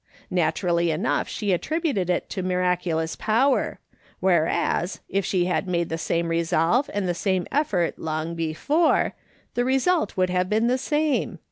Naturally enough she attributed it to mira culous power, whereas, if she had made the same resolve and the same effort long before, the result would have been the same.